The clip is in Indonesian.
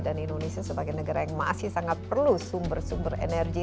dan indonesia sebagai negara yang masih sangat perlu sumber sumber energi